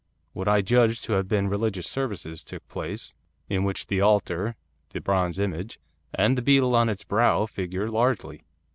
What I judge to have been religious services took place; in which the altar, the bronze image, and the beetle on its brow, figure largely.